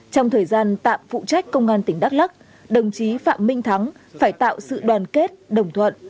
trong thời gian tạm phụ trách công an tỉnh đắk lắc đồng chí phạm minh thắng phải tạo sự đoàn kết đồng thuận